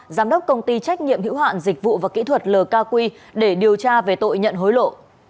giám đốc công ty trách nhiệm hữu hạn dịch vụ và kỹ thuật lk để điều tra về tội nhận hối lộ